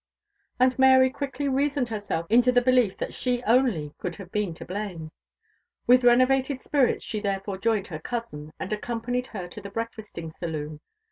And Mary quickly reasoned herself into the belief that she only could have been to blame. With renovated spirits she therefore joined her cousin, and accompanied her to the breakfasting saloon.